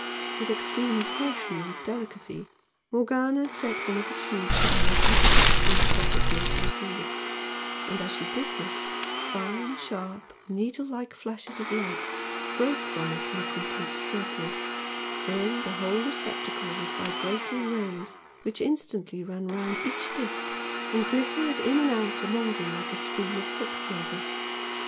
With extreme caution and delicacy Morgana set one of the tubes she held upright in the socket made to receive it, and as she did this, fine sharp, needle like flashes of light broke from it in a complete circle, filling the whole receptacle with vibrating rays which instantly ran round each disc, and glittered in and out among them like a stream of quicksilver.